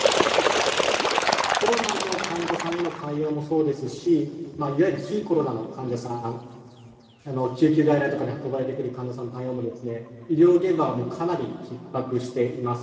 コロナの患者さんへの対応もそうですし、いわゆる非コロナの患者さん、救急外来で運ばれてくる患者さんの対応も、医療現場はもう、かなりひっ迫しています。